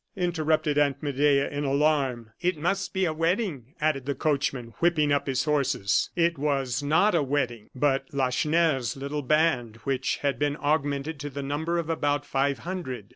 interrupted Aunt Medea, in alarm. "It must be a wedding," added the coachman, whipping up his horses. It was not a wedding, but Lacheneur's little band, which had been augmented to the number of about five hundred.